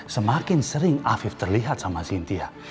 semakin sering afif terlihat sama sintia